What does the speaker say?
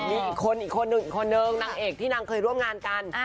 มีอีกคนอีกคนนึงอีกคนนึงนางเอกที่นางเคยร่วมงานกัน